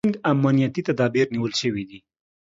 ټینګ امنیتي تدابیر نیول شوي.